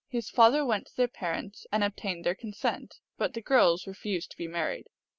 His father went to their parents and obtained their consent, but the girls re fused to be married.